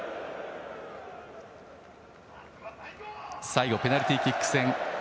最後、ペナルティーキック戦。